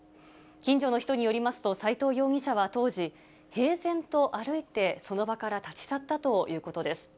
近所の人によりますと、斎藤容疑者は当時、平然と歩いてその場から立ち去ったということです。